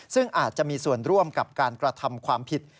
ซึ่งอาจจะมีส่วนร่วมกับการกระทำความผิด